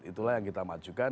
itulah yang kita majukan